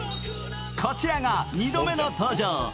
こちらが２度目の登場。